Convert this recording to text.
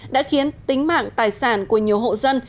đã khiến tính mạng tài sản của nhiều hộ dân